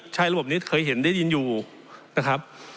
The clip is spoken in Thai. ระบบนี้เคยเห็นได้ยินอยู่นะครับ